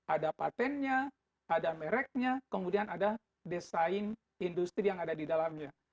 ada patentnya ada mereknya kemudian ada desain industri yang ada di dalamnya